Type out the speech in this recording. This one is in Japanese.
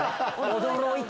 驚いた。